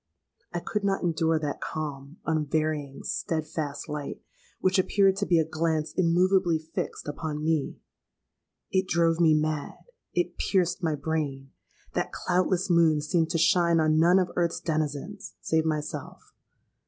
"I could not endure that calm—unvarying—steadfast light, which appeared to be a glance immoveably fixed upon me. It drove me mad—it pierced my brain. That cloudless moon seemed to shine on none of earth's denizens, save myself.